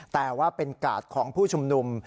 แต่ว่าเป็นกาดของผู้ชุมนุม